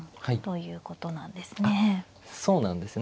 そうなんですね。